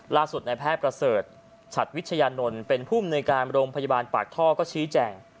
ล่าสุดในแพทย์ประเสริฐฉัดวิชญานนท์เป็นผู้มนุยการโรงพยาบาลปากท่อก็ชี้แจ่ง